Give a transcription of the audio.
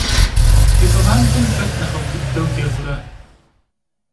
Fi komandem xet nexhıf' dıdeu cegure?